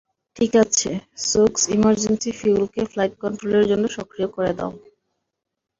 ঠিক আছে, সোকস, emergency ফিউলকে flight কন্ট্রোলের জন্য সক্রিয় করে দাও।